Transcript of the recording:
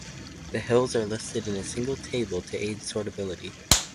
The hills are listed in a single table to aid sortability.